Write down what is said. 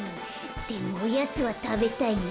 でもおやつはたべたいな。